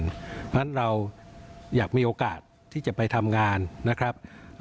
เพราะฉะนั้นเราอยากมีโอกาสที่จะไปทำงานนะครับ